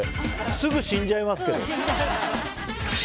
すぐ死んじゃいますけど。